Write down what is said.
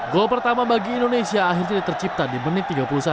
gol pertama bagi indonesia akhirnya tercipta di menit tiga puluh satu